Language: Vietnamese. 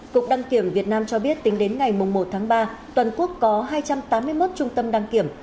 cục đăng kiểm việt nam cho biết tính đến ngày một tháng ba toàn quốc có hai trăm tám mươi một trung tâm đăng kiểm